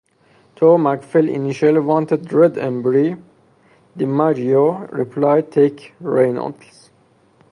Though MacPhail initially wanted Red Embree, DiMaggio replied: Take Reynolds.